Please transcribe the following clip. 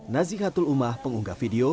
nazikatul umah pengunggah video